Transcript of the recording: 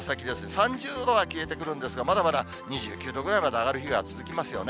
３０度は消えてくるんですが、まだまだ２９度ぐらいまで上がる日が続きますよね。